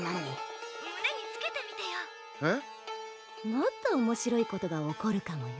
もっとおもしろいことが起こるかもよ。